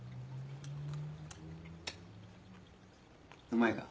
うまいか？